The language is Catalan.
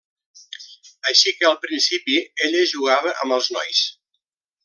Així que al principi, ella jugava amb els nois.